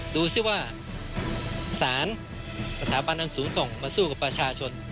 ดูสิว่าสารสถาบันอันสูงส่งมาสู้กับประชาชน